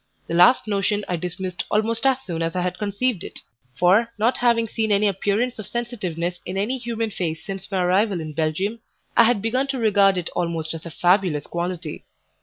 The last notion I dismissed almost as soon as I had conceived it, for not having seen any appearance of sensitiveness in any human face since my arrival in Belgium, I had begun to regard it almost as a fabulous quality.